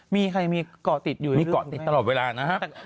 มีใครมีเกาะติดอยู่เรื่อยตลอดเวลานะครับ